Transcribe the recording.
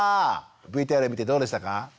ＶＴＲ見てどうでしたか？